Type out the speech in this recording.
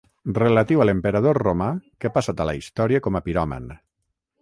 Relatiu a l'emperador romà que ha passat a la història com a piròman.